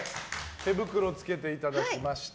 手袋をつけていただきまして。